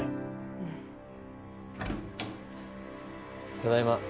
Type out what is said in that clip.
・ただいま。